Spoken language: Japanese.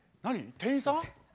店員さん？